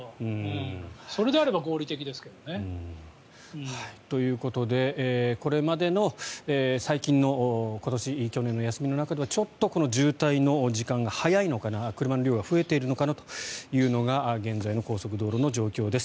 それであれば合理的ですけどね。ということで、これまでの最近の今年、去年の休みに比べるとちょっと渋滞の時間が早いのかな車の量が増えているのかなというのが現在の高速道路の状況です。